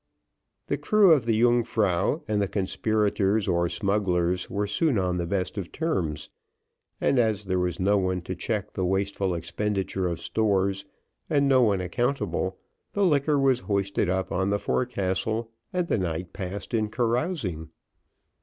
The crew of the Yungfrau and the conspirators or smugglers were soon on the best of terms, and as there was no one to check the wasteful expenditure of stores and no one accountable, the liquor was hoisted up on the forecastle, and the night passed in carousing.